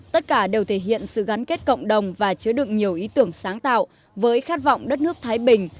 tất cả đều thể hiện sự gắn kết cộng đồng và chứa đựng nhiều ý tưởng sáng tạo với khát vọng đất nước thái bình